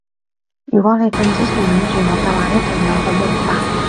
如果你瞓之前諗住我嘅話一定有好夢發